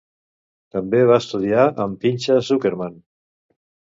També va estudiar amb Pinchas Zukerman.